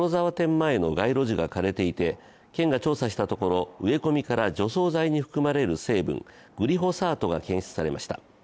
前の街路樹が枯れていて、県が調査したところ、植え込みから除草剤に含まれる成分、グリホサートが検出されました。